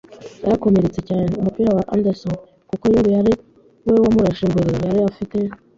yarakomeretse cyane. Umupira wa Anderson - kuko Yobu ari we wamurashe mbere - yari afite